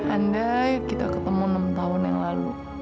andai kita ketemu enam tahun yang lalu